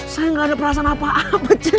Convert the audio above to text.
saya gak ada perasaan apa apa ceng